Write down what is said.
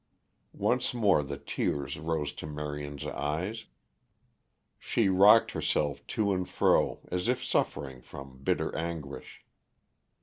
Once more the tears rose to Marion's eyes; she rocked herself to and fro as if suffering from bitter anguish.